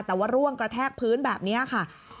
แต่ว่าร่วงกระแทกพื้นแบบนี้ค่ะ